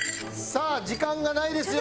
さあ時間がないですよ！